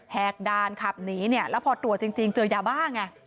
กด่านขับหนีเนี่ยแล้วพอตรวจจริงเจอยาบ้าไง